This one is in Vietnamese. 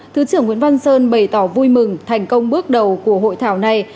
thứ trưởng nguyễn văn sơn bày tỏ vui mừng thành công bước đầu của hội thảo này